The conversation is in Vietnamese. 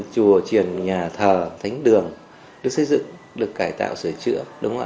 chùa triền nhà thờ thánh đường được xây dựng được cải tạo sửa chữa